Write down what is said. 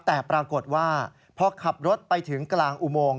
แต่ปรากฏว่าพอขับรถไปถึงกลางอุโมง